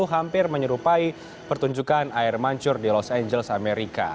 hampir menyerupai pertunjukan air mancur di los angeles amerika